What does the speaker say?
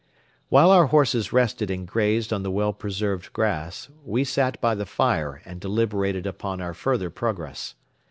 While our horses rested and grazed on the well preserved grass, we sat by the fire and deliberated upon our further progress.